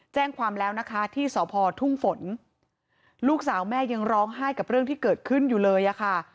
แจ้งความแล้วนะคะที่สพทุ่งฝนลูกสาวแม่ยังร้องไห้กับเรื่องที่เกิดขึ้นอยู่เลยอะค่ะ